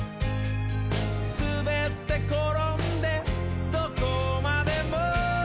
「すべってころんでどこまでも」